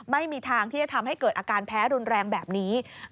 ไม่มีทางที่จะทำให้เกิดอาการแพ้รุนแรงแบบนี้